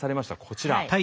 こちら。